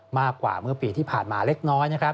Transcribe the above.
มากกว่าเมื่อปีที่ผ่านมาเล็กน้อยนะครับ